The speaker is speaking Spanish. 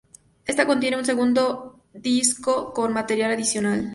Esta contiene un segundo disco con material adicional.